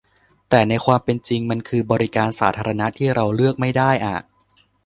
แต่ในความเป็นจริงมันคือบริการสาธารณะที่เราเลือกไม่ได้อ่ะ